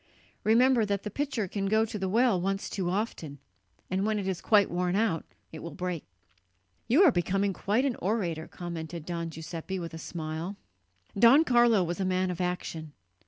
Remember that the pitcher can go to the well once too often; and when it is quite worn out, it will break." "You are becoming quite an orator," commented Don Giuseppe with a smile. Don Carlo was a man of action.